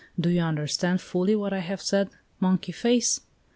Do you understand fully what I have said, monkey face?"